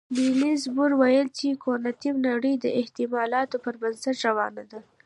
نيلز بور ویل چې کوانتم نړۍ د احتمالاتو پر بنسټ روانه ده.